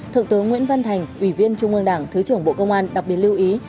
thượng tướng nguyễn văn thành ủy viên trung ương đảng thứ trưởng bộ công an đặc biệt lưu ý